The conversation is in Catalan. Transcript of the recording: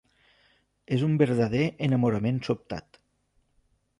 És un verdader enamorament sobtat.